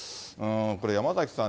これ、山崎さん